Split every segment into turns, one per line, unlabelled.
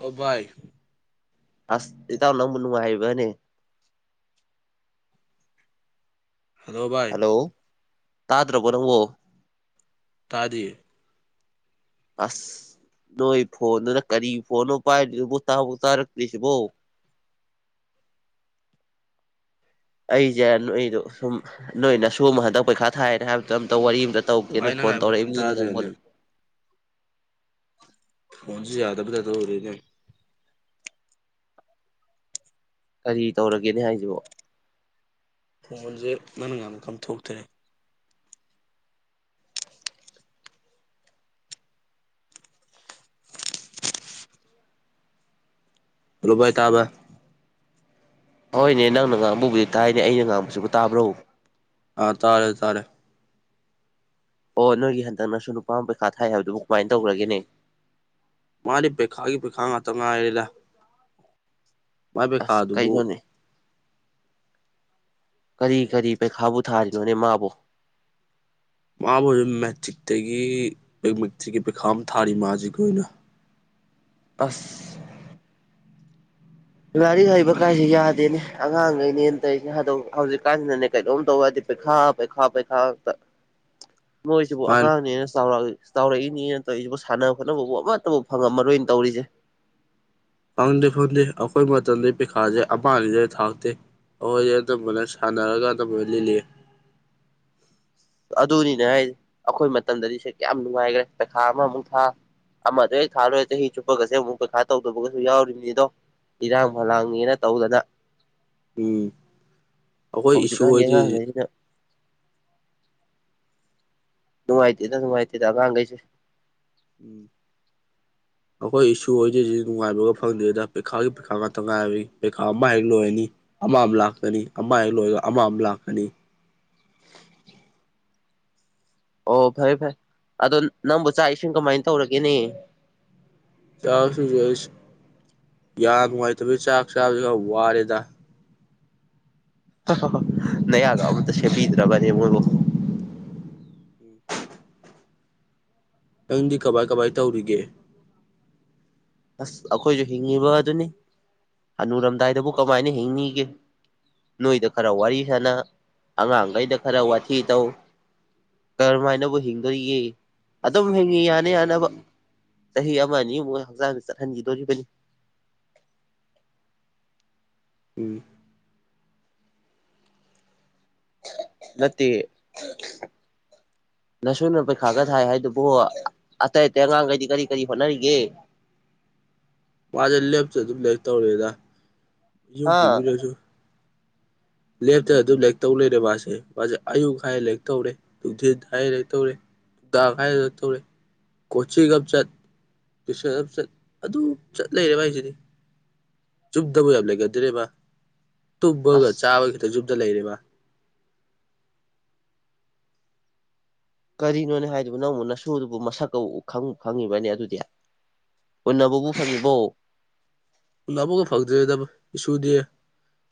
ꯑꯣ ꯕꯥꯏ
ꯑꯁ ꯏꯇꯥꯎ ꯅꯪꯕꯨ ꯅꯨꯡꯉꯥꯏꯔꯤꯕꯅꯦ
ꯍꯜꯂꯣ ꯕꯥꯏ
ꯍꯜꯂꯣ ꯇꯥꯗ꯭ꯔꯣꯕꯣ ꯅꯪꯕꯣ
ꯇꯥꯗꯤꯌꯦ
ꯑꯁ ꯅꯣꯏ ꯐꯣꯟꯗꯨꯅ ꯀꯔꯤ ꯐꯣꯟꯅꯣ ꯄꯥꯏꯔꯤꯗꯨꯕꯣ ꯇꯥꯕꯣꯛ ꯇꯥꯔꯛꯇ꯭ꯔꯤꯁꯤꯕꯣ ꯑꯩꯖꯦ ꯅꯣꯏꯗꯣ ꯁꯨꯝ ꯅꯣꯏ ꯅꯁꯨꯃ ꯍꯟꯗꯛ ꯄꯩꯈꯥ ꯊꯥꯏꯅ ꯍꯥꯏꯕꯗꯨꯗ ꯑꯝꯇ ꯋꯥꯔꯤ ꯑꯃꯇ ꯇꯧ ꯒꯦꯅ
ꯚꯥꯏ ꯅꯪꯅ
ꯐꯣꯟ
ꯍꯥꯏꯕꯗꯣ ꯀꯩꯝ
ꯇꯧꯔꯛꯏꯅꯤꯅꯦ ꯃꯣꯗ
ꯇꯥꯗ꯭ꯔꯦꯅꯦ ꯐꯣꯟꯖꯦ [unintelligible] ꯑꯣꯏꯔꯦꯅꯦ
ꯀꯔꯤ ꯇꯧꯔꯒꯦꯅꯦ ꯍꯥꯏꯁꯤꯕꯣ
ꯐꯣꯟꯖꯦ ꯅꯪꯅ ꯉꯥꯡꯕꯀꯥ ꯑꯝꯊꯣꯛꯇꯔꯦ ꯍꯜꯂꯣ ꯚꯥꯏ ꯇꯥꯕ
ꯍꯣꯏꯅꯦ ꯅꯪꯅ ꯉꯥꯡꯕꯕꯨꯗꯤ ꯇꯥꯏꯅꯦ ꯑꯩꯅ ꯉꯥꯡꯕꯁꯤꯕꯨ ꯇꯥꯕ꯭ꯔꯣ
ꯑꯥ ꯇꯥꯔꯦ ꯇꯥꯔꯦ
ꯑꯣ ꯅꯣꯏꯒꯤ ꯍꯟꯗꯛꯅꯁꯨ ꯅꯨꯄꯥꯃ ꯄꯩꯈꯥ ꯊꯥꯏ ꯍꯥꯏꯕꯗꯨꯕꯨ ꯀꯃꯥꯏ ꯇꯧꯒ꯭ꯔꯒꯦꯅꯦ
ꯃꯥꯗꯤ ꯄ꯭ꯔꯤꯈꯥꯒꯤ ꯄꯩꯈꯥ ꯉꯥꯛꯇ ꯉꯥꯏꯔꯦꯂ ꯃꯥꯏ
ꯑꯁ
ꯄꯩꯈꯥꯗꯨꯕꯨ
ꯀꯩꯅꯣꯅꯦ ꯀꯔꯤ ꯀꯔꯤ ꯄꯩꯈꯥꯕꯨ ꯊꯥꯔꯤꯅꯣꯅꯦ ꯃꯥꯕꯣ
ꯃꯥꯕꯨ ꯃꯦꯇ꯭ꯔꯤꯛꯇꯒꯤ [unintelligible] ꯄ꯭ꯔꯤꯈꯥ ꯑꯝ ꯊꯥꯔꯤ ꯃꯖꯤꯀꯤ ꯑꯣꯏꯅ
ꯑꯁ ꯂꯥꯏꯔꯤꯛ ꯍꯩꯕ ꯀꯥꯏꯖꯦ ꯌꯥꯗꯦꯅꯦ ꯑꯉꯥꯡꯒꯩꯅꯦꯟ ꯇꯧꯋꯤꯖꯤꯅ ꯍꯥꯗꯧ ꯍꯧꯖꯤꯛꯀꯥꯟꯖꯤꯅꯅꯦ ꯀꯩꯅꯣꯝ ꯇꯧ ꯌꯥꯗꯦ ꯄꯩꯈꯥ ꯄꯩꯈꯥ ꯄꯩꯈꯥ ꯉꯛꯇ ꯃꯣꯏꯖꯤꯕꯨ
ꯃꯥꯅꯤ
ꯑꯉꯥꯡꯅꯦꯅ ꯆꯥꯎꯔꯛꯑꯏ ꯆꯥꯎꯔꯛꯏꯅꯦꯅ ꯇꯧꯔꯤꯖꯤꯕꯨ ꯁꯥꯟꯅ ꯈꯣꯠꯅꯕꯕꯨ ꯑꯃꯠꯇꯕꯨ ꯐꯪꯉꯝꯃꯔꯣꯏꯅꯦ ꯇꯧꯔꯤꯖꯦ
ꯐꯪꯗꯦ ꯐꯪꯗꯦ ꯑꯈꯣꯏ ꯃꯇꯝꯗꯩ ꯄꯤꯈꯥꯖꯦ ꯑꯃ ꯑꯅꯤꯗꯩ ꯍꯦꯟꯅ ꯊꯥꯔꯛꯇꯦ ꯑꯈꯣꯏꯗꯤ ꯑꯗꯨꯝꯕꯅ ꯁꯥꯟꯅꯔꯒ ꯑꯗꯨꯝꯕꯅ ꯂꯤꯜꯂꯤꯑꯦ
ꯑꯗꯨꯅꯤꯅꯦ ꯍꯥꯏꯖꯦ ꯑꯈꯣꯏ ꯃꯇꯝꯗꯗꯤ ꯁꯦ ꯀꯌꯥꯝ ꯅꯨꯡꯉꯥꯏꯒ꯭ꯔꯦ ꯄꯩꯈꯥ ꯑꯃꯃꯨꯛ ꯊꯥ ꯑꯃꯗꯣ ꯍꯦꯛ ꯊꯥꯂꯣꯏ ꯆꯍꯤ ꯆꯨꯞꯄꯒꯖꯦ ꯑꯃꯨꯛ ꯄꯩꯈꯥ ꯇꯧꯗꯕꯒꯁꯖꯨ ꯌꯥꯎꯔꯤꯕꯅꯤꯗꯣ ꯏꯔꯥꯡ ꯐꯂꯥꯡꯅꯦꯅ ꯇꯧꯗꯅ
ꯎꯝ ꯑꯈꯣꯏ ꯏꯁꯨ
ꯍꯧꯖꯤꯛꯀꯥꯟꯒꯤ
ꯍꯣꯏꯗꯤ ꯑꯖꯤ
ꯑꯉꯥꯡꯈꯩꯁꯤꯅ ꯅꯨꯡꯉꯥꯏꯇꯦꯗ ꯅꯨꯡꯉꯥꯏꯇꯦꯗ ꯉꯥꯡꯒꯩꯖꯦ
ꯎꯝ
[inaudible]
ꯑꯩꯈꯣꯏ ꯏꯁꯨꯍꯣꯏꯗꯤ ꯍꯧꯖꯤꯛ ꯅꯨꯡꯉꯥꯏꯕꯒ ꯐꯪꯗ꯭ꯔꯦꯗ ꯄꯩꯈꯥꯒꯤ ꯄꯩꯈꯥ ꯉꯥꯛꯇ ꯉꯥꯏꯕꯩ ꯄꯩꯈꯥ ꯑꯃ ꯍꯦꯛ ꯂꯣꯏꯔꯅꯤ ꯑꯃ ꯂꯥꯛꯀꯅꯤ ꯑꯃ ꯍꯦꯛ ꯂꯣꯏꯔꯒ ꯑꯃ ꯂꯥꯛꯀꯅꯤ
ꯑꯣ ꯐꯥꯔꯦ ꯐꯥꯔꯦ ꯑꯗꯣ ꯅꯪꯕꯨ ꯆꯥꯛ ꯏꯁꯤꯡ ꯀꯃꯥꯏꯅ ꯇꯧꯔꯒꯦꯅꯦ
ꯆꯥꯛꯁꯤꯁꯨ ꯑꯩꯁ ꯌꯥ ꯅꯨꯡꯉꯥꯏꯇꯕꯩ ꯆꯥꯛ ꯆꯥꯕꯖꯨ ꯌꯥꯝ ꯋꯥꯔꯦꯗ
ꯅꯌꯥꯒ ꯑꯃꯠꯇ ꯁꯦꯝꯕꯤꯗ꯭ꯔꯕꯅꯦ ꯃꯣꯏꯕꯨ
ꯅꯪꯗꯤ ꯀꯃꯥꯏ ꯀꯃꯥꯏ ꯇꯧꯔꯤꯒꯦ
ꯑꯁ ꯑꯩꯈꯣꯏꯖꯨ ꯍꯤꯡꯉꯤꯕ ꯑꯗꯨꯅꯤ ꯍꯅꯨꯔꯝꯗꯥꯏꯗꯕꯨ ꯀꯃꯥꯏꯅ ꯍꯤꯡꯅꯤꯒꯦ ꯅꯣꯏꯗ ꯈꯔ ꯋꯥꯔꯤ ꯁꯥꯟꯅ ꯑꯉꯥꯡꯈꯩꯗ ꯈꯔ ꯋꯥꯊꯤ ꯇꯧ ꯀꯔꯝꯍꯥꯏꯅꯕꯨ ꯍꯤꯡꯗꯧꯔꯤꯒꯦ ꯑꯗꯨꯝ ꯍꯦꯛ ꯌꯥꯅ ꯌꯥꯅꯕ ꯆꯍꯤ ꯑꯃꯅꯤ ꯑꯅꯤ ꯃꯨꯛ ꯍꯦꯛ ꯍꯛꯆꯥꯡꯖꯦ ꯆꯠꯍꯟꯒꯤꯗꯧꯔꯤꯕꯅꯤ
ꯎꯝ
ꯅꯠꯇꯦ ꯅꯁꯨꯅ ꯄꯩꯈꯥꯒ ꯊꯥꯏ ꯍꯥꯏꯗꯨꯕꯨ ꯑꯇꯩ ꯑꯇꯩ ꯑꯉꯥꯡꯒꯩꯗꯤ ꯀꯔꯤ ꯀꯔꯤ ꯍꯣꯠꯅꯔꯤꯒꯦ
ꯃꯥꯖꯨ ꯂꯦꯞꯇ ꯑꯗꯨꯝ ꯂꯥꯏꯔꯤꯛ ꯇꯧꯔꯝꯃꯣꯏꯗ ꯌꯨꯝ
ꯍꯥ
ꯃꯤꯅꯖꯨ ꯂꯦꯞꯇ ꯑꯗꯨꯝ ꯂꯥꯏꯔꯤꯛ ꯇꯧ ꯂꯩꯔꯦ ꯃꯥꯁꯦ ꯃꯥꯁꯦ ꯑꯌꯨꯛ ꯍꯥꯏꯔꯦ ꯂꯥꯏꯔꯤꯛ ꯇꯧꯔꯦ ꯅꯨꯡꯊꯤꯟ ꯍꯥꯏꯔꯦ ꯂꯥꯏꯔꯤꯛ ꯇꯧꯔꯦ [unintelligible] ꯀꯣꯆꯤꯡ ꯑꯃ ꯆꯠ ꯇꯨꯏꯁꯟ ꯑꯃꯨꯛ ꯆꯠ ꯑꯗꯨꯝ ꯆꯠ ꯂꯩꯔꯦꯕ ꯃꯥꯏꯁꯤꯗꯤ ꯆꯨꯝꯗꯒ ꯌꯥꯝ ꯂꯩꯒꯗ꯭ꯔꯦꯕ ꯃꯥ ꯇꯨꯝꯕꯒ
ꯑꯁ
ꯆꯥꯕ ꯈꯤꯇꯪ ꯌꯨꯝꯗ ꯂꯩꯔꯦ ꯃꯥ
ꯀꯔꯤꯅꯣꯅꯦ ꯍꯥꯏꯗꯨꯕꯨ ꯅꯪꯕꯨ ꯅꯁꯨꯗꯨꯕꯨ ꯃꯁꯛꯀ ꯈꯪꯕꯨ ꯈꯪꯉꯤꯕ꯭ꯔꯥꯅꯦ ꯑꯗꯨꯗꯤ ꯎꯟꯅꯕꯕꯨ ꯐꯪꯉꯤꯕꯣ
ꯎꯅꯕꯒ ꯐꯪꯗ꯭ꯔꯦꯗꯕꯣ ꯏꯁꯨꯗꯤ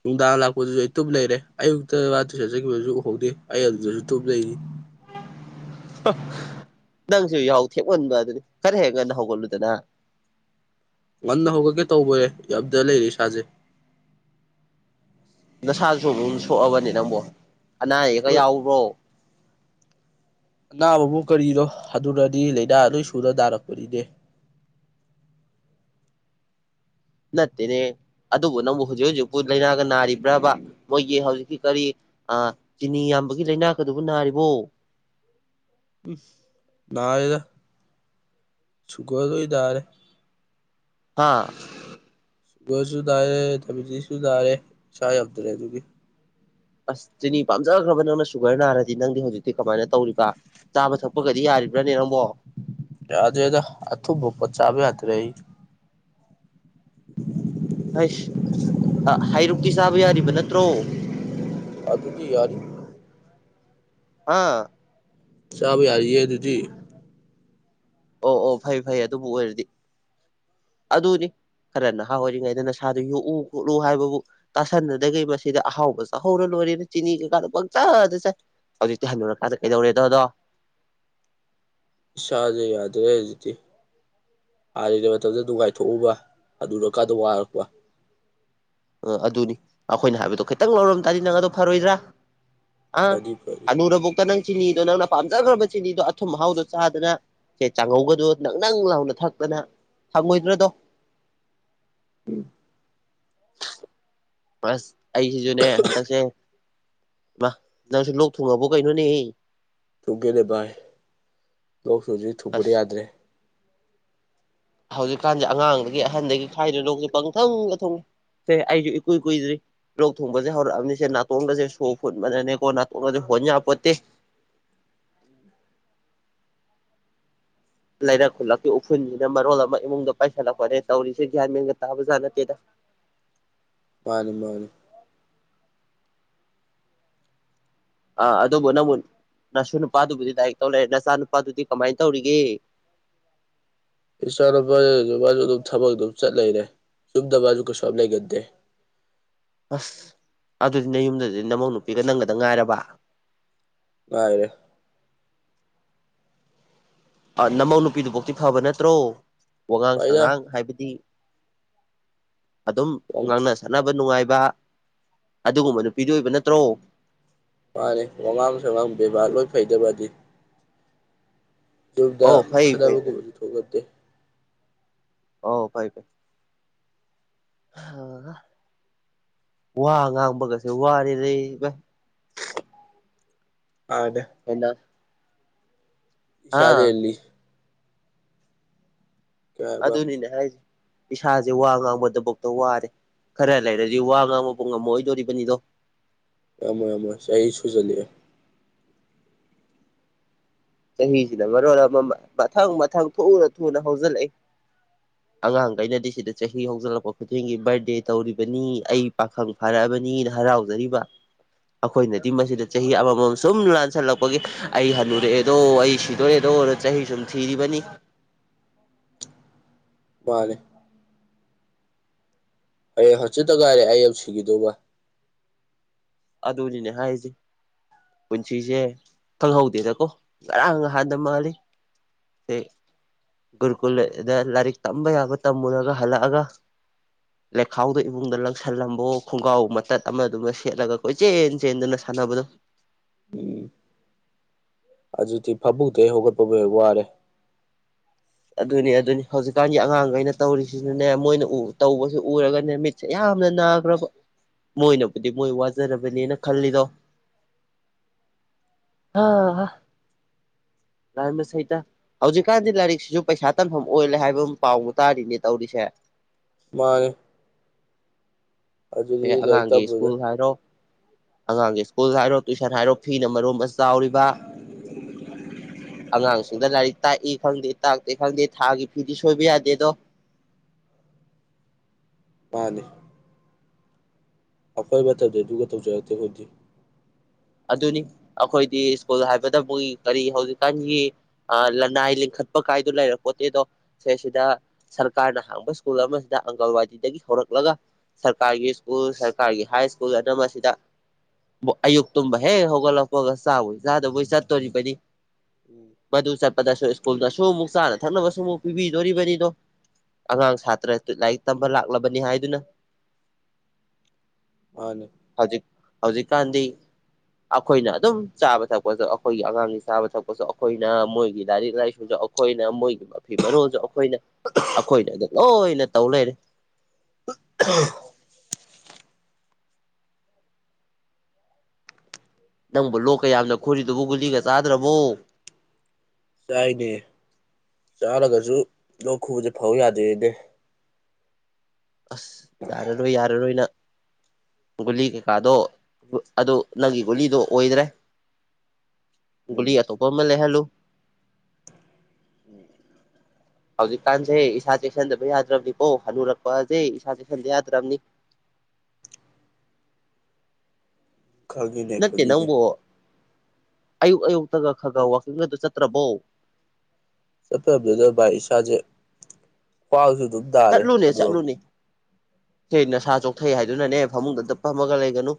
ꯅꯨꯡꯗꯥꯡ ꯂꯥꯛꯄꯗꯨꯖꯨ ꯑꯩ ꯇꯨꯞ ꯂꯩꯔꯦ ꯑꯌꯨꯛꯇ ꯃꯥ ꯇꯨꯏꯁꯟ ꯆꯠꯈꯤꯕꯗꯨꯁꯨ ꯑꯩ ꯎꯍꯧꯗꯦ ꯑꯩ ꯑꯗꯨꯗꯁꯨ ꯇꯨꯝ ꯂꯩꯔꯤ
ꯅꯪꯁꯨ ꯌꯥꯍꯧ ꯊꯦꯛꯃꯟꯕ ꯑꯗꯨꯅꯤ ꯈꯔ ꯍꯦꯛ ꯉꯟꯅ ꯍꯧꯒꯠꯂꯨꯗꯅ
ꯉꯟꯅ ꯍꯧꯒꯠꯀꯦ ꯇꯧꯕꯔꯦ ꯉꯝꯗ ꯂꯩꯔꯦ ꯏꯁꯥꯖꯦ
ꯅꯁꯥꯗꯨꯁꯨ ꯑꯃꯨꯛ ꯁꯣꯛꯑꯕꯅꯦ ꯅꯪꯕꯣ ꯑꯅꯥ ꯑꯌꯦꯛꯀ
ꯍꯣꯏ
ꯌꯥꯎꯕ꯭ꯔꯣ
ꯑꯅꯥꯕꯕꯨ ꯀꯔꯤꯅꯣ ꯍꯅꯨꯔꯛꯑꯗꯤ ꯂꯥꯏꯅꯥ ꯂꯣꯏ ꯁꯨꯅ ꯅꯥꯔꯛꯄꯅꯤꯅꯦ
ꯅꯠꯇꯦꯅꯦ ꯑꯗꯨꯕꯨ ꯅꯪꯕꯨ ꯍꯧꯖꯤꯛ ꯍꯧꯖꯤꯛꯄꯨ ꯂꯥꯏꯅꯥꯒ ꯅꯥꯔꯤꯕ꯭ꯔꯥꯕ ꯃꯣꯏꯒꯤ ꯍꯧꯖꯤꯛꯀꯤ ꯀꯔꯤ ꯑꯥ ꯆꯤꯅꯤ ꯌꯥꯝꯕꯒꯤ ꯂꯥꯏꯅꯥꯀꯗꯨꯕꯨ ꯅꯥꯔꯤꯕꯣ
ꯎꯝ ꯅꯔꯦꯗ ꯁꯨꯒꯔꯒꯩ ꯅꯥꯔꯦ
ꯍꯥꯥ
ꯁꯨꯒꯔꯁꯨ ꯅꯥꯌꯦ ꯊꯕꯤꯖꯤꯁꯨ ꯅꯔꯦ ꯏꯁꯥ ꯉꯝꯗ꯭ꯔꯦ ꯑꯗꯨꯒꯤ
ꯑꯁ ꯆꯤꯅꯤ ꯄꯥꯝꯖꯒ꯭ꯔꯕ ꯅꯪꯅ ꯁꯨꯒꯔ ꯅꯥꯔꯗꯤ ꯅꯪꯗꯤ ꯍꯧꯖꯤꯛꯇꯤ ꯀꯃꯥꯏꯅ ꯇꯧꯔꯤꯕ ꯆꯥꯕ ꯊꯛꯄꯒꯗꯤ ꯌꯥꯔꯤꯕ꯭ꯔꯥꯅꯦ ꯅꯪꯕꯣ
ꯌꯥꯗꯦꯗ ꯑꯊꯨꯝꯕ ꯄꯣꯠ ꯆꯥꯕ ꯌꯥꯗ꯭ꯔꯦ ꯑꯩ
ꯑꯥꯏꯁ ꯍꯥꯏꯔꯨꯛꯇꯤ ꯆꯥꯕ ꯌꯥꯔꯤꯕ ꯅꯠꯇ꯭ꯔꯣ
ꯑꯗꯨꯗꯤ ꯌꯥꯅꯤ
ꯑꯥ
ꯆꯥꯕ ꯌꯥꯔꯤꯌꯦ ꯑꯗꯨꯗꯤ
ꯑꯣ ꯑꯣ ꯐꯩ ꯐꯩ ꯑꯗꯨꯕꯨ ꯑꯣꯏꯔꯗꯤ ꯑꯗꯨꯅꯤ ꯈꯔ ꯅꯍꯥ ꯑꯣꯏꯔꯤꯉꯩꯗ ꯅꯁꯥꯗꯨ ꯌꯣꯛꯎ ꯈꯣꯠꯂꯨ ꯍꯥꯏꯕꯕꯨ ꯇꯥꯁꯟꯅꯗꯒꯩ ꯃꯁꯤꯗ ꯑꯍꯥꯎꯕ ꯆꯥꯍꯧꯔ ꯂꯣꯏꯔꯦꯅ ꯆꯤꯅꯤ ꯀꯩꯀꯥꯗꯣ ꯄꯪꯆꯥꯗ ꯆꯥꯏ ꯍꯧꯖꯤꯛꯇꯤ ꯍꯟꯅꯨꯔꯀꯥꯟꯗ ꯀꯩꯗꯧꯔꯦꯗꯣ ꯑꯗꯣ
ꯏꯁꯥꯥꯖꯦ ꯌꯥꯗ꯭ꯔꯦ ꯍꯧꯖꯤꯛꯇꯤ ꯍꯥꯟꯅꯒꯤ ꯃꯇꯝꯗ ꯅꯨꯡꯉꯥꯏꯊꯣꯛꯎꯕ ꯍꯅꯨꯔꯀꯥꯟꯗ ꯋꯥꯔꯛꯄ
ꯑꯥ ꯑꯗꯨꯅꯤ ꯑꯩꯈꯣꯏꯅ ꯍꯥꯏꯕꯗꯣ ꯈꯤꯇꯪ ꯂꯧꯔꯝ ꯇꯥꯔꯗꯤ ꯅꯪ ꯑꯗꯣ ꯐꯔꯣꯏꯗ꯭ꯔꯥ ꯑ
ꯐꯅꯤ ꯐꯅꯤ
ꯍꯅꯨꯨꯔꯕꯧꯇ ꯅꯪ ꯆꯤꯅꯤꯗꯣ ꯅꯪꯅ ꯄꯥꯝꯖꯈ꯭ꯔꯕ ꯆꯤꯅꯤꯗꯣ ꯑꯊꯨꯝ ꯑꯍꯥꯎꯗꯣ ꯆꯥꯗꯅ ꯁꯦ ꯆꯥꯡꯉꯧꯒꯗꯣ ꯅꯪ ꯅꯪ ꯂꯥꯎꯅ ꯊꯛꯇꯅ ꯐꯪꯉꯣꯏꯗ꯭ꯔꯗꯣ
ꯎꯝ
ꯄꯁ ꯑꯩꯁꯤꯁꯨꯅꯦ ꯍꯟꯗꯛꯁꯦ ꯃꯥ ꯅꯪꯁꯨ ꯂꯣꯛ ꯊꯨꯡꯉꯕꯣ ꯀꯩꯅꯣꯅꯦꯍꯦ
ꯊꯨꯡꯉꯦꯅꯦ ꯚꯥꯏ ꯂꯣꯛ ꯍꯧꯖꯤꯛ ꯊꯨꯡꯕꯅ
ꯑꯁ
ꯌꯥꯗ꯭ꯔꯦ
[inaudible] ꯍꯧꯖꯤꯛꯀꯥꯟꯁꯦ ꯑꯉꯥꯡꯗꯒꯤ ꯑꯍꯟꯗꯒꯤ ꯈꯥꯏꯗ꯭ꯔꯦ ꯂꯣꯛꯁꯦ ꯄꯪꯊꯨꯡꯗ ꯊꯨꯡꯉꯦ ꯑꯦ ꯑꯩꯗꯤ ꯏꯀꯨꯏ ꯀꯨꯏꯗ꯭ꯔꯤ ꯂꯣꯛ ꯊꯨꯡꯕꯁꯦ ꯍꯧꯔꯛꯑꯕꯅꯤꯁꯦ ꯅꯥꯇꯣꯟꯒꯁꯦ ꯁꯣ ꯐꯨꯟꯕꯅꯅꯦꯀꯣ ꯅꯥꯇꯣꯟꯒꯁꯦ ꯍꯣꯟ ꯌꯥꯄꯣꯠꯇꯦ ꯂꯩꯔꯛ ꯈꯨꯜꯂꯛꯀꯤ ꯎꯐꯨꯟꯁꯤꯅ ꯃꯔꯣꯜ ꯑꯃ ꯏꯃꯨꯡꯗ ꯄꯥꯏꯁꯜꯂꯛꯄꯅꯦ ꯇꯧꯔꯤꯁꯦ ꯒ꯭ꯌꯥꯟ ꯃꯦꯟꯒ ꯇꯥꯕꯖꯥꯠ ꯅꯠꯇꯦꯗ
ꯃꯥꯅꯤ ꯃꯥꯅꯤ
ꯑꯥ ꯑꯗꯨꯕꯨ ꯅꯪꯕꯨ ꯅꯁꯨ ꯅꯨꯄꯥꯗꯨꯕꯨꯗꯤ ꯂꯥꯏꯔꯤꯛ ꯇꯧ ꯂꯩꯔꯦ ꯅꯆꯥ ꯅꯨꯄꯥꯗꯨꯗꯤ ꯀꯃꯥꯏꯅ ꯇꯧꯔꯤꯒꯦ
ꯏꯆꯥ ꯅꯨꯄꯥꯁꯨ ꯑꯗꯨꯝꯃꯥꯏ ꯑꯗꯨꯝ ꯕꯛ ꯑꯗꯨꯝ ꯆꯠ ꯂꯩꯔꯦ ꯌꯨꯝꯗ ꯃꯥꯁꯨ ꯀꯩꯁꯨ ꯌꯥꯝ ꯂꯩꯒꯟꯗꯦ
ꯑꯁ ꯑꯗꯨꯗꯤ ꯅꯌꯨꯝꯗꯗꯤ ꯅꯃꯧ ꯅꯨꯄꯤꯒ ꯅꯪꯒꯗꯪ ꯉꯥꯏꯔꯕ
ꯉꯥꯢꯔꯦ
ꯑ ꯅꯃꯧ ꯅꯨꯄꯤꯗꯨꯕꯧꯇꯤ ꯐꯕ ꯅꯠꯇ꯭ꯔꯣ ꯋꯥꯉꯥꯡ
ꯐꯩꯗ
ꯁꯉꯥꯡ ꯍꯥꯏꯕꯗꯤ ꯑꯗꯨꯝ ꯉꯥꯡꯅ ꯁꯠꯅꯕ ꯅꯨꯡꯉꯥꯏꯕ ꯑꯗꯨꯒꯨꯝꯕ ꯅꯨꯄꯤꯗꯤ ꯑꯣꯏꯕ ꯅꯠꯇ꯭ꯔꯣ
ꯃꯥꯅꯤ ꯋꯥꯉꯥꯡ ꯁꯥꯉꯥꯡ ꯕꯦꯕꯥꯔ ꯂꯣꯏ ꯐꯩꯗ ꯃꯥꯗꯤ ꯌꯨꯝꯗ
ꯑꯧ ꯐꯩ ꯐꯩ ꯐꯩ
ꯈꯠꯅꯕꯒꯨꯝꯕꯁꯨ ꯊꯣꯛꯍꯟꯗꯦ
ꯑꯣ ꯐꯩ ꯐꯩ ꯋꯥ ꯉꯥꯡꯕꯒꯁꯦ ꯋꯥꯔꯦꯅꯦ ꯏꯕꯥꯏ
ꯑꯗꯦ
ꯍꯦꯟꯅ
ꯏꯁꯥꯖꯦ
ꯑꯥ
ꯂꯤ ꯀꯩ ꯍꯥꯏꯕ
ꯑꯗꯨꯅꯤꯅꯦ ꯍꯥꯏꯁꯦ ꯏꯁꯥꯁꯦ ꯋꯥ ꯉꯥꯡꯕ ꯗꯕꯣꯛꯇ ꯋꯥꯔꯦ ꯈꯔ ꯂꯩꯔꯗꯤ ꯋꯥ ꯉꯥꯡꯕ ꯄꯨ ꯉꯝꯃꯛ ꯑꯣꯏꯗꯣꯔꯤꯕꯅꯤꯗꯣ
ꯉꯝꯃꯣꯏ ꯉꯝꯃꯣꯏ ꯆꯍꯤ ꯁꯨꯖꯜꯂꯛꯑꯦ
ꯆꯍꯤꯁꯤꯅ ꯃꯔꯣꯜ ꯑꯃ ꯃꯊꯪ ꯃꯊꯪ ꯊꯨꯅ ꯊꯨꯅ ꯍꯧꯖꯤꯜꯂꯛꯏ ꯑꯉꯥꯡꯒꯩꯅꯗꯤ ꯁꯤꯗ ꯆꯍꯤ ꯍꯧꯖꯜꯂꯛꯄ ꯈꯨꯗꯤꯡꯒꯤ ꯕꯥꯔꯗꯦ ꯇꯧꯔꯤꯕꯅꯤ ꯑꯩ ꯄꯥꯈꯪ ꯐꯥꯔꯛꯑꯕꯅꯤꯅ ꯍꯔꯥꯎꯖꯔꯤꯕ ꯑꯩꯈꯣꯏꯅꯗꯤ ꯃꯁꯤꯗ ꯆꯍꯤ ꯑꯃꯃꯝ ꯁꯨꯝ ꯂꯥꯟꯁꯜꯂꯛꯄꯒꯤ ꯑꯩ ꯍꯟꯅꯨꯔꯛꯑꯦ ꯗꯣ ꯑꯩ ꯁꯤꯗꯣꯔꯦꯗꯣꯅ ꯆꯍꯤ ꯁꯨꯝ ꯊꯤꯔꯤꯕꯅꯤ
ꯃꯥꯅꯦ ꯍꯌꯦꯡ ꯍꯟꯆꯤꯠꯇꯉꯥꯏꯔꯦ ꯑꯩ ꯌꯧꯁꯤꯈꯤꯗꯧꯕ
ꯑꯗꯨꯗꯤꯅꯦ ꯍꯥꯏꯁꯦ ꯄꯨꯟꯁꯤꯁꯦ ꯈꯪꯍꯧꯗꯦꯗꯀꯣ ꯉꯔꯥꯡ ꯉꯍꯥꯟꯗ ꯃꯥꯜꯂꯤ ꯗꯦ ꯒꯨꯔꯨꯀꯨꯜꯗ ꯂꯥꯏꯔꯤꯛ ꯇꯝꯕ ꯌꯥꯕ ꯇꯝꯃꯨꯔꯒ ꯍꯜꯂꯛꯑꯒ ꯂꯩꯈꯥꯎꯗꯣ ꯏꯃꯨꯡꯗ ꯂꯪꯁꯜꯂꯝꯕꯋꯣ ꯈꯣꯡꯒ꯭ꯔꯥꯎ ꯃꯇꯠ ꯑꯃꯗꯨꯃ ꯁꯦꯠꯂꯒ ꯀꯣꯏꯆꯦꯟ ꯆꯦꯟꯗꯅ ꯁꯥꯟꯅꯕꯗꯣ
ꯍꯧꯖꯤꯛꯇꯤ ꯐꯥꯃꯨꯡꯗꯩ ꯍꯧꯒꯠꯄꯕꯨ ꯍꯦꯛ ꯋꯥꯔꯦ
ꯑꯗꯨꯅꯤ ꯑꯗꯨꯅꯤ ꯍꯧꯖꯤꯛꯀꯥꯟꯒꯤ ꯑꯉꯥꯡꯈꯩꯅ ꯇꯧꯔꯤꯁꯤꯁꯨꯅꯦ ꯃꯣꯏꯅ ꯇꯧꯕꯁꯤ ꯎꯔꯒꯅꯦ ꯃꯤꯠ ꯌꯥꯝꯅ ꯅꯒ꯭ꯔꯕ ꯃꯣꯏꯅꯕꯨꯗꯤ ꯃꯣꯏ ꯋꯥꯖꯔꯕꯅꯦꯅ ꯈꯜꯂꯤꯗꯣ ꯑꯥ ꯍ ꯂꯥꯏꯃ ꯁꯩꯇ ꯍꯧꯖꯤꯛꯀꯥꯟꯗꯤ ꯂꯥꯏꯔꯤꯛꯁꯤꯁꯨ ꯄꯩꯁꯥ ꯇꯥꯟꯐꯝ ꯑꯣꯏꯂꯦ ꯍꯥꯏꯕ ꯑꯝ ꯄꯥꯎꯕꯨ ꯇꯥꯔꯤꯅꯦ ꯇꯧꯔꯤꯁꯦ
ꯃꯥꯅꯦ ꯑꯗꯨꯗꯤ
[unintelligible]
ꯂꯥꯏꯔꯤꯛ
ꯑꯉꯥꯡꯒꯤ
ꯇꯝꯕꯗ
ꯁ꯭ꯀꯨꯜ ꯍꯥꯏꯔꯣ ꯑꯉꯥꯡꯒꯤ ꯁ꯭ꯀꯨꯜ ꯍꯥꯏꯔꯣ ꯇꯨꯏꯁꯟ ꯍꯥꯏꯔꯣ ꯐꯤꯅ ꯃꯔꯣꯝ ꯑꯃ ꯆꯥꯎꯔꯤꯕ ꯑꯉꯥꯡꯁꯤꯡꯗ ꯂꯥꯏꯔꯤꯛ ꯇꯥꯛꯏ ꯈꯪꯗꯦ ꯇꯥꯛꯇꯦ ꯈꯪꯗꯦ ꯊꯥꯒꯤ ꯐꯤꯗꯤ ꯁꯣꯏꯕ ꯌꯥꯗꯦꯗꯣ
ꯃꯥꯅꯤ ꯑꯈꯣꯏ ꯃꯇꯝꯗ ꯑꯗꯨꯒ ꯇꯧꯖꯔꯛꯇꯦ ꯑꯈꯣꯏꯗꯤ
ꯑꯗꯨꯅꯤ ꯑꯈꯣꯏꯗꯤ ꯁ꯭ꯀꯨꯜ ꯍꯥꯏꯕꯗꯕꯨꯏ ꯀꯔꯤ ꯍꯧꯖꯤꯛꯀꯥꯟꯒꯤ ꯑ ꯂꯅꯥꯏ ꯂꯤꯡꯈꯠꯄ ꯀꯥꯏꯗꯣ ꯂꯩꯔꯛꯄꯣꯠꯇꯦꯗꯣ ꯁꯦ ꯁꯤꯗ ꯁꯔꯀꯥꯔꯅ ꯍꯥꯡꯕ ꯁ꯭ꯀꯨꯜ ꯑꯃꯁꯤꯗ ꯑꯪꯒꯜꯋꯥꯗꯤꯗꯒꯤ ꯍꯣꯔꯛꯂꯒ ꯁꯔꯀꯥꯔꯒꯤ ꯁ꯭ꯀꯨꯜ ꯁꯔꯀꯥꯔꯒꯤ ꯍꯥꯏ ꯁ꯭ꯀꯨꯜ ꯑꯅꯝꯃꯥ ꯑꯁꯤꯗ ꯑꯌꯨꯛ ꯇꯨꯝꯕ ꯍꯦꯛ ꯍꯧꯒꯠꯂꯛꯄꯒ ꯆꯥꯕꯣꯏ ꯆꯥꯗꯕꯣꯏ ꯆꯠꯇꯣꯔꯤꯕꯅꯤ ꯃꯗꯨ ꯆꯠꯄꯗꯁꯨ ꯁ꯭ꯀꯨꯜꯅꯁꯨ ꯑꯃꯨꯛ ꯆꯥꯅ ꯊꯛꯅꯕꯁꯨ ꯑꯃꯨꯛ ꯄꯤꯕꯤꯗꯣꯔꯤꯕꯅꯤꯗꯣ ꯑꯉꯥꯡ ꯁꯥꯇ꯭ꯔ ꯂꯥꯏꯔꯤꯛ ꯇꯝꯕ ꯂꯥꯛꯂꯕꯅꯤ ꯍꯥꯏꯗꯨꯅ
ꯃꯥꯅꯤ
ꯍꯧꯖꯤꯛ ꯍꯧꯖꯤꯛꯀꯥꯟꯗꯤ ꯑꯈꯣꯏꯅ ꯑꯗꯨꯝ ꯆꯥꯕ ꯊꯛꯄꯁꯨ ꯑꯈꯣꯏꯒꯤ ꯑꯉꯥꯡꯒꯤ ꯆꯥꯕ ꯊꯛꯄꯁꯨ ꯑꯈꯣꯏꯅ ꯃꯣꯏꯒꯤ ꯂꯥꯏꯔꯤꯛ ꯂꯥꯏꯁꯨꯗ ꯑꯛ ꯑꯩꯈꯣꯏꯅ ꯃꯣꯏꯒꯤ ꯃꯐꯤ ꯃꯔꯣꯜꯖꯨ ꯑꯩꯈꯣꯏꯅ ꯑꯩꯈꯣꯏꯅꯗ ꯂꯣꯏꯅ ꯇꯧ ꯂꯩꯔꯦ
[unintelligible]
ꯅꯪꯕꯨ ꯂꯣꯛꯀ ꯌꯥꯝꯅ ꯈꯨꯔꯤꯗꯨꯕꯨ ꯒꯨꯂꯤꯒ ꯆꯥꯗ꯭ꯔꯕꯣ
ꯆꯥꯏꯅꯦ ꯆꯥꯔꯒꯖꯨ ꯂꯣꯛ ꯈꯨꯕꯖꯦ ꯐꯧ ꯌꯥꯗꯦꯅꯦ
ꯑꯁ ꯌꯥꯔꯔꯣꯏ ꯌꯥꯔꯔꯣꯏ ꯅꯪ ꯒꯨꯂꯤ ꯀꯩꯀꯥꯗꯣ ꯎꯠ ꯑꯗꯨ ꯅꯪꯒꯤ ꯒꯨꯂꯤꯗꯣ ꯑꯣꯏꯗ꯭ꯔꯦ
ꯎꯝ
ꯒꯨꯂꯤ ꯑꯇꯣꯞꯄ ꯑꯃ ꯂꯩꯍꯜꯂꯨ ꯍꯧꯖꯤꯛꯀꯥꯟꯖꯦ ꯏꯁꯥ ꯆꯦꯛꯁꯟꯗꯕ ꯌꯥꯗ꯭ꯔꯕꯅꯤꯀꯣ ꯍꯟꯅꯨꯔꯛꯄꯑꯖꯦ ꯏꯁꯥ ꯆꯦꯛꯁꯟꯗ ꯌꯥꯗ꯭ꯔꯝꯅꯤ
ꯈꯪꯉꯤꯅꯦ
ꯅꯠꯇꯦ
ꯈꯪꯉꯤꯅꯦ
ꯅꯪꯕꯨ ꯑꯌꯨꯛ ꯑꯌꯨꯛꯇꯒ ꯈꯔ ꯈꯔ ꯋꯥꯀꯤꯡꯒꯗꯣ ꯆꯠꯇ꯭ꯔꯕꯣ
ꯆꯠꯆꯗꯦꯗ ꯚꯥꯏ ꯏꯁꯥꯖꯦ ꯈ꯭ꯋꯥꯡꯖꯨ ꯑꯗꯨꯝ ꯅꯥꯔꯦ
ꯆꯠꯂꯨꯅꯦ
ꯑꯗꯨꯒ
ꯆꯠꯂꯨꯅꯦ ꯍꯦ ꯅꯁꯥ ꯆꯣꯛꯊꯩ ꯍꯥꯏꯗꯨꯅꯅꯦ ꯐꯃꯨꯡꯗꯇ ꯐꯝꯃꯒ ꯂꯩꯒꯅꯨ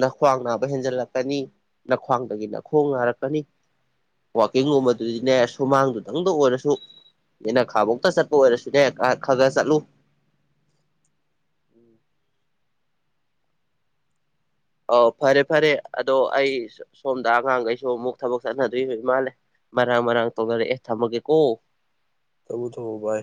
ꯅꯈ꯭ꯋꯥꯡ ꯅꯥꯕ ꯍꯦꯟꯖꯜꯂꯛꯀꯅꯤ ꯅꯈ꯭ꯋꯥꯡꯗꯒꯤ ꯅꯈꯣꯡ ꯅꯥꯔꯛꯀꯅꯤ ꯋꯥꯛꯀꯤꯡꯒꯨꯝꯕꯗꯨꯗꯤꯅꯦ ꯁꯨꯃꯥꯡꯗꯨꯗꯪꯗ ꯑꯣꯏꯔꯁꯨ ꯌꯦꯅꯈꯥꯕꯧꯇ ꯆꯠꯄ ꯑꯣꯏꯔꯁꯨ ꯅꯦ ꯑ ꯈꯥꯒꯥ ꯆꯠꯂꯨ ꯑꯧ ꯐꯔꯦ ꯐꯔꯦ ꯑꯗꯣ ꯑꯩ ꯁꯣꯝꯗ ꯑꯉꯥꯡꯒꯩꯁꯨ ꯑꯃꯨꯛ ꯊꯕꯛ ꯆꯠꯅꯗꯣꯏ ꯎꯔꯃꯥꯜꯂꯦ ꯃꯔꯥꯡ ꯃꯔꯥꯡ ꯇꯧꯅꯔꯦ ꯑꯦ ꯊꯝꯃꯒꯦ ꯀꯣ
ꯊꯝꯃꯨ ꯊꯝꯃꯨ ꯚꯥꯏ